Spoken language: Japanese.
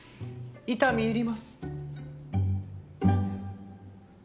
痛み入ります。